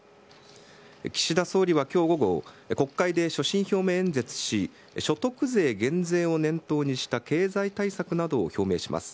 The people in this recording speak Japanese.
岸田総理はきょう午後、国会で所信表明演説し、所得税減税を念頭にした経済対策などを表明します。